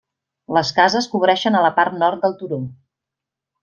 Les cases cobreixen a la part nord del turó.